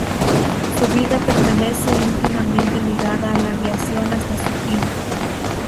Su vida permanece íntimamente ligada a la aviación hasta su fin.